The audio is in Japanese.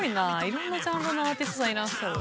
「色んなジャンルのアーティストさんいらっしゃる」